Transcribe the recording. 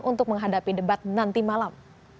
untuk menghadapi debat nanti malam